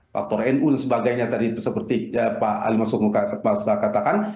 faktor nu dan sebagainya tadi seperti pak ali masukno katakan